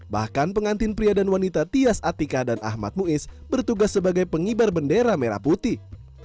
bahkan pengantin pria dan wanita tias atika dan ahmad muiz bertugas sebagai pengibar bendera merah putih